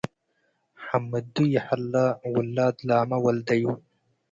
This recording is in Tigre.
ሐምዱ ይህለ - ውላድ ላመ ወልደዩ